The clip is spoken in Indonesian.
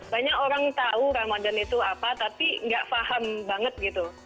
banyak orang tahu ramadan itu apa tapi nggak paham banget gitu